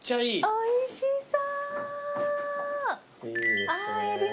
おいしそう！